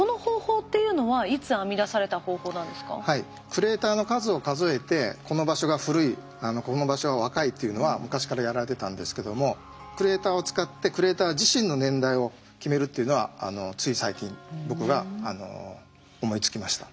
クレーターの数を数えてこの場所が古いこの場所は若いっていうのは昔からやられてたんですけどもクレーターを使ってクレーター自身の年代を決めるっていうのはつい最近僕が思いつきました。